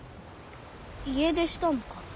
家出したのか？